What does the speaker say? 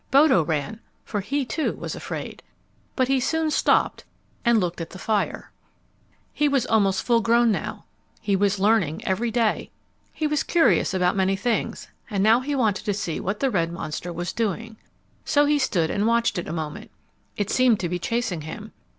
Bodo ran; for he, too, was afraid. But he soon stopped and looked at the fire. [Illustration: "Bodo stood and watched it a moment"] He was almost full grown now. He was learning every day. He was curious about many things, and now he wanted to see what the red monster was doing. So he stood and watched it a moment. It seemed to be chasing him.